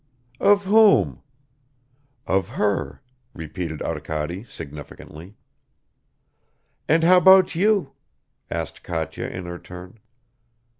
"Of whom?" "Of her," repeated Arkady significantly. "And how about you?" asked Katya in her turn.